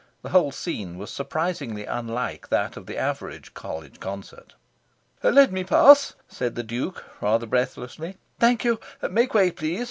The whole scene was surprisingly unlike that of the average College concert. "Let me pass," said the Duke, rather breathlessly. "Thank you. Make way please.